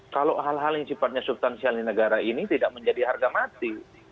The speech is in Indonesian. kalau hal hal yang sifatnya substansial di negara ini tidak menjadi harga mati